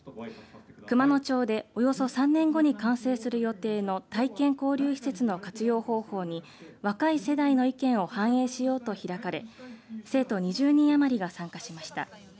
熊野町でおよそ３年後に完成する予定の体験交流施設の活用方法に若い世代の意見を反映しようと開かれ生徒２０人余りが参加しました。